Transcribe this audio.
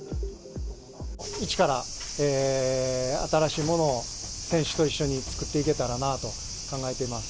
一から新しいものを選手と一緒に作っていけたらなと考えています。